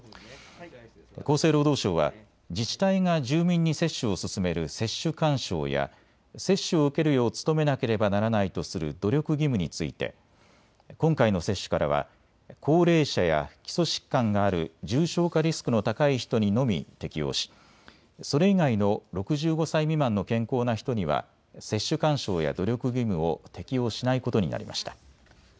厚生労働省は自治体が住民に接種を勧める接種勧奨や接種を受けるよう努めなければならないとする努力義務について今回の接種からは高齢者や基礎疾患がある重症化リスクの高い人にのみ適用しそれ以外の６５歳未満の健康な人には接種勧奨や努力義務を適用しないことになりました。